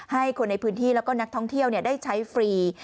ให้คนในพื้นที่แล้วก็นักท่องเที่ยวได้ใช้ฟรี